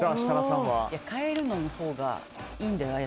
でも、変えるほうがいいんだよ。